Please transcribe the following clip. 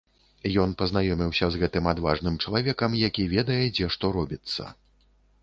Ён пазнаёміўся з гэтым адважным чалавекам, які ведае, дзе што робіцца.